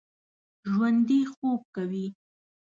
ژوندي خوب کوي